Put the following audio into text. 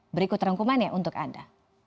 berikut rangkumannya untuk anda